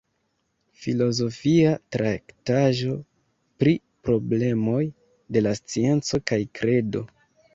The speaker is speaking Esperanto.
Filozofia traktaĵo pri problemoj de la scienco kaj kredo.